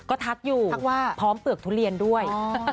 ก็ทักอยู่ทักว่าพร้อมเปลือกทุเรียนด้วย